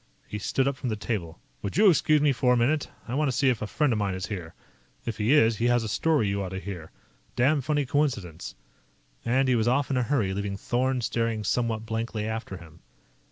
He stood up from the table. "Would you excuse me for a minute? I want to see if a friend of mine is here. If he is, he has a story you ought to hear. Damned funny coincidence." And he was off in a hurry, leaving Thorn staring somewhat blankly after him.